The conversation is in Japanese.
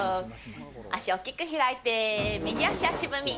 足を大きく開いて、右足足踏み。